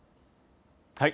はい。